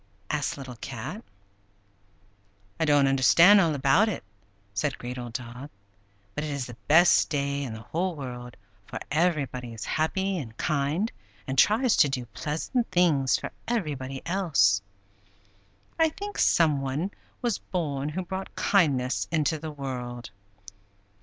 asked Little Cat. "I don't understand all about it," said Great Old Dog; "but it is the best day in the whole year, for everybody is happy and kind, and tries to do pleasant things for everybody else. I think some one was born who brought kindness into the world."